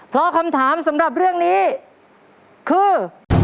เพราะคำถามสำหรับเรื่องนี้คือ